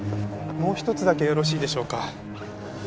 もう一つだけよろしいでしょうか？